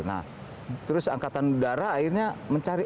nah terus angkatan udara akhirnya mencari